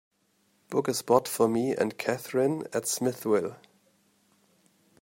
Book a spot for me and kathrine at Smithville